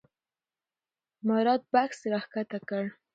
مراد بکس راښکته کړ.